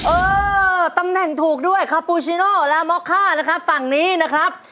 เออตำแหน่งถูกด้วยคาปูชิโน่และม็อกค่านะครับฝั่งนี้นะครับ